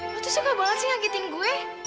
lu tuh suka banget sih ngagetin gue